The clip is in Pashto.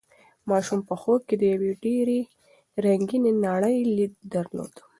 ماشوم په خوب کې د یوې ډېرې رنګینې نړۍ لید درلود.